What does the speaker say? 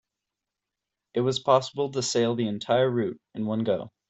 It was possible to sail the entire route in one go.